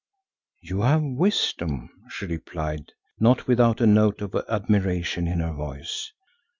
"You have wisdom," she replied, not without a note of admiration in her voice.